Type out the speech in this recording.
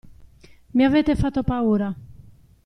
Mi avete fatto paura!